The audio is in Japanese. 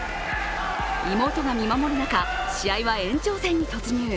妹が見守る中、試合は延長戦に突入。